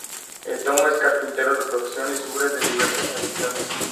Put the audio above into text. Tom es carpintero de profesión, y sufre de diversas adicciones.